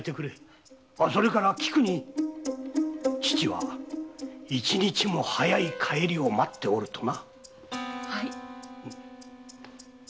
それから菊に「父は一日も早い帰りを待っておる」とな。